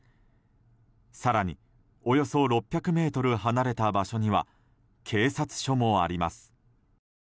更におよそ６００ｍ離れた場所には警察署もあります。